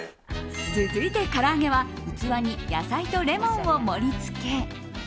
続いて、から揚げは器に野菜とレモンを盛りつけ。